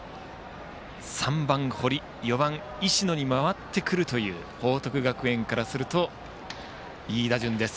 ３番、堀４番、石野に回ってくるという報徳学園からするといい打順です。